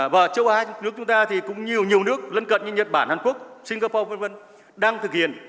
và châu á nước chúng ta thì cũng nhiều nhiều nước lân cận như nhật bản hàn quốc singapore v v đang thực hiện